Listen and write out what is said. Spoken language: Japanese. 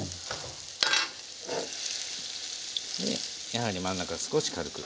やはり真ん中少し軽く。